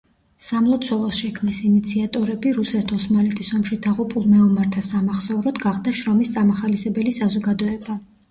სამლოცველოს შექმნის ინიციატორები რუსეთ-ოსმალეთის ომში დაღუპულ მეომართა სამახსოვროდ გახდა შრომის წამახალისებელი საზოგადოება.